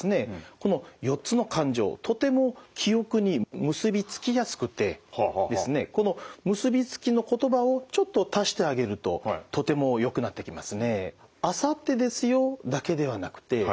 この４つの感情とても記憶に結びつきやすくてこの結びつきの言葉をちょっと足してあげるととてもよくなってきますね。